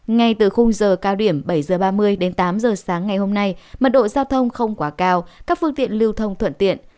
ngay từ khung giờ cao điểm bảy h ba mươi đến tám giờ sáng ngày hôm nay mật độ giao thông không quá cao các phương tiện lưu thông thuận tiện